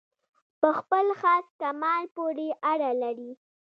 په خپل خاص کمال پوري اړه لري.